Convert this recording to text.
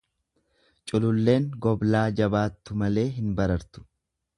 Cululleen goblaa jabaattu malee hin barartu.